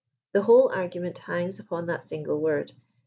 The whole argument hangs upon that single word.